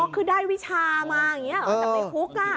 อ๋อคือได้วิชามาอย่างนี้หรอจะไปคุกอ่ะ